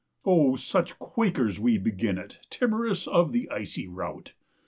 Oh, such quakers we begin it, Timorous of the icy route!